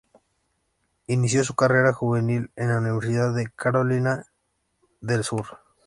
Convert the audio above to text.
Inicio su carrera juvenil en la Universidad de Carolina del Sur.